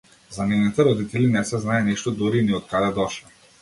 За нивните родители не се знае ништо, дури ни од каде дошле.